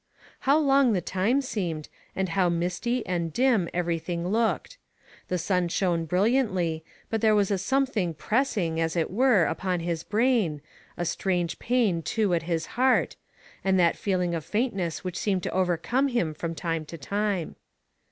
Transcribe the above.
How long the time seemed, and how misty and dim everything looked. The sun shone brill iantly, but there was a something pressing, as it were, upon his brain, a strange pain too at his heart, and that feeling of faintness which seemed to overcome him from time to time.